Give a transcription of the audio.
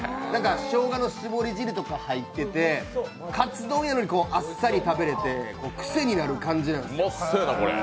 しょうがの絞り汁とか入ってて、かつ丼やのにあっさり食べられて、クセになる感じなんです。